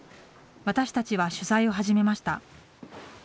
私たちは取材を始めました。